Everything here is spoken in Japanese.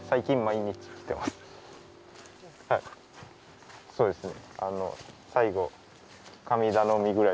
はいそうですね。